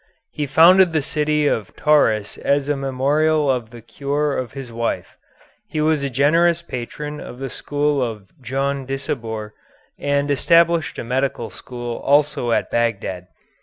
He founded the city of Tauris as a memorial of the cure of his wife. He was a generous patron of the school of Djondisabour and established a medical school also at Bagdad.